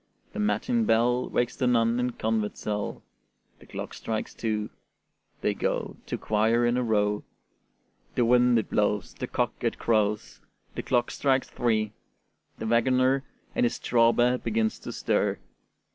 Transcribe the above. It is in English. The matin bell Wakes the nun in convent cell; The clock strikes two: they go To choir in a row. The wind it blows, The cock he crows; The clock strikes three: the wagoner In his straw bed begins to stir.